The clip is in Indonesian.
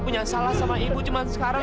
keluarga kami memang miskin